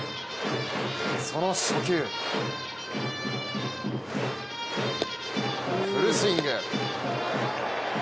その初球フルスイング。